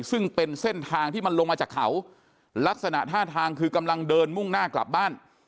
ซึ่งเป็นเส้นทางที่มันลงมาจากเขาลักษณะท่าทางคือกำลังเดินมุ่งหน้ากลับบ้าน